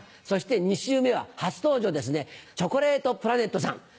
そして２週目は初登場チョコレートプラネットさん。